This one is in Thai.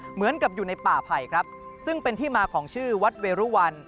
เหมือนกับอยู่ในป่าไผ่ครับซึ่งเป็นที่มาของชื่อวัดเวรุวัน